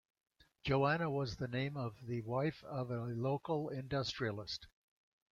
Joanna was the name of the wife of a local industrialist.